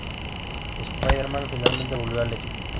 Spider-Man finalmente volvió al equipo.